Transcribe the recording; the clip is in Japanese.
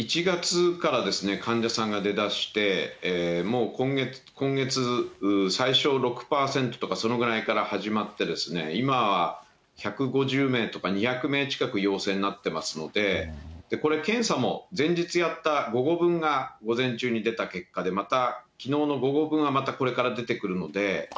１月から患者さんが出だして、もう今月最初６％とかそのぐらいから始まって、今は１５０名とか２００名近く陽性になってますので、これ、検査も前日やった午後分が午前中に出た結果で、またきのうの午後分はまたこれから出てくるので。